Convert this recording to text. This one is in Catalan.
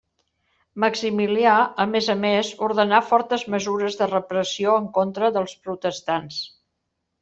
Maximilià, a més a més, ordenà fortes mesures de repressió en contra dels protestants.